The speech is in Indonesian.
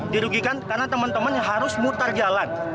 dirugikan karena teman teman harus mutar jalan